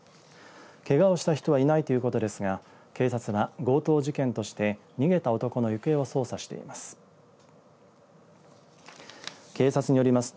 けがをした人はいないということですが警察は強盗事件として逃げた男の行方を捜査しています。